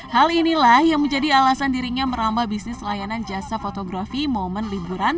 hal inilah yang menjadi alasan dirinya merambah bisnis layanan jasa fotografi momen liburan